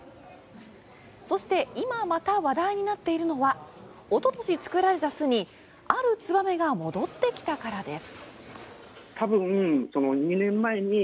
そして、今また話題になっているのはおととし作られた巣にあるツバメが戻ってきたからです。